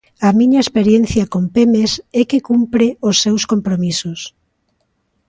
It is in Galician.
A miña experiencia con Pemex é que cumpre os seus compromisos.